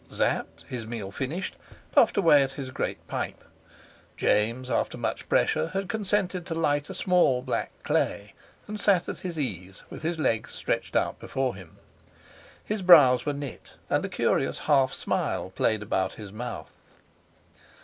Sapt, his meal finished, puffed away at his great pipe; James, after much pressure, had consented to light a small black clay, and sat at his ease with his legs stretched before him. His brows were knit, and a curious half smile played about his mouth.